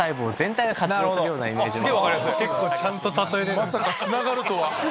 まさかつながるとは。